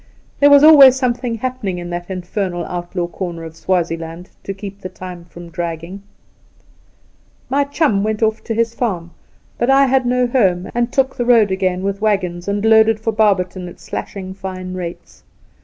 There was always something happening in that infernal outlaw corner of Swazie land to keep the time from dragging !' My chum went off to his farm ; but I had no home, and toqk the road again with waggons, and loaded for Barberton at slashing fine rates.